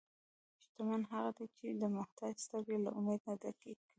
شتمن هغه دی چې د محتاج سترګې له امید نه ډکې کوي.